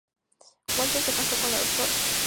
Walter se casó con la Dra.